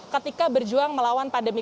ketika berjuang melawan pandemi